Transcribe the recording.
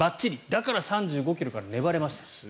だから３５ｋｍから粘れました。